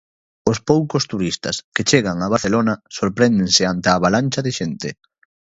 Os poucos turistas que chegan a Barcelona sorprendese ante a avalancha de xente.